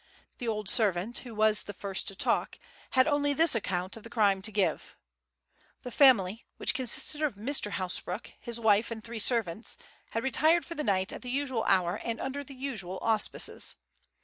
The old servant, who was the first to talk, had only this account of the crime to give: The family, which consisted of Mr. Hasbrouck, his wife, and three servants, had retired for the night at the usual hour and under the usual auspices.